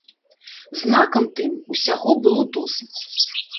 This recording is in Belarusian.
Знакам тым, усяго было досыць.